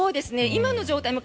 今の状態も。